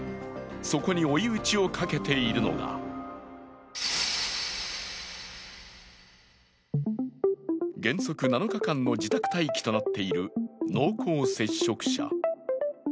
そこに追い打ちをかけているのが原則７日間の自宅待機となっている濃厚接触者。